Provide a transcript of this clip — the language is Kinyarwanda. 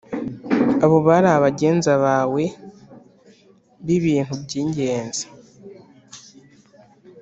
Abo bari abagenza bawe b ibintu by ingenzi